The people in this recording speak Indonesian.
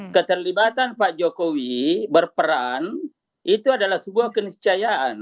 keterlibatan pak jokowi berperan itu adalah sebuah keniscayaan